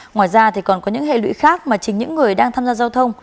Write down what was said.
ngoài ra thì còn có những hệ lụy khác mà chính những người đang tham gia giao thông